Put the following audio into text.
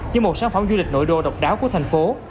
như một sản phẩm du lịch nội đô độc đáo của thành phố